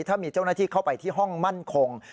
ถ้ามีเจ้าหน้าที่เข้าไปที่ห้องมั่นคง